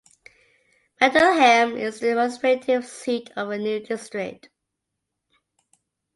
Mindelheim is the administrative seat of the new district.